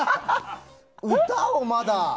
歌をまだ。